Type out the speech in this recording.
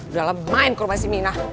udah lemain kurma si mina